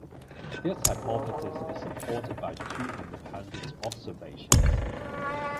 This hypothesis is supported by two independent observations.